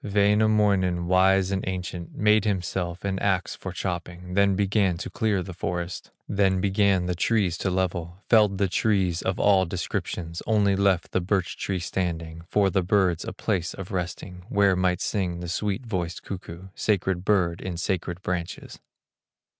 Wainamoinen, wise and ancient, Made himself an axe for chopping, Then began to clear the forest, Then began the trees to level, Felled the trees of all descriptions, Only left the birch tree standing For the birds a place of resting, Where might sing the sweet voiced cuckoo, Sacred bird in sacred branches.